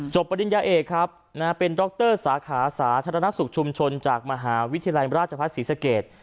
ปริญญาเอกครับเป็นดรสาขาสาธารณสุขชุมชนจากมหาวิทยาลัยราชพัฒนศรีสเกต